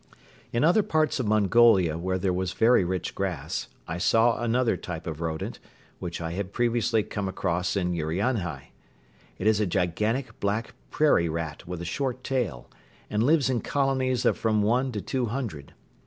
In other parts of Mongolia where there was very rich grass I saw another type of rodent, which I had previously come across in Urianhai. It is a gigantic black prairie rat with a short tail and lives in colonies of from one to two hundred.